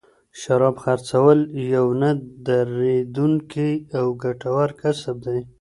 شراب خرڅول یو نه دریدونکی او ګټور کسب دی.